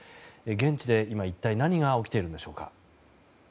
現地で今、一体何が起きているんでしょうか。